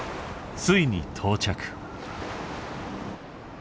ついに到着。